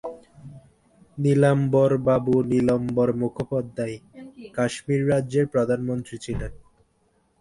নীলাম্বরবাবু নীলাম্বর মুখোপাধ্যায়, কাশ্মীর রাজ্যের প্রধানমন্ত্রী ছিলেন।